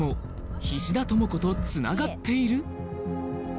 菱田朋子とつながっている？